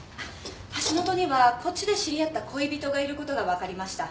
橋本にはこっちで知り合った恋人がいる事がわかりました。